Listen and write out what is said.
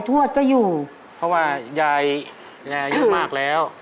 ไม่ได้ประกาศจากดาตัวเอง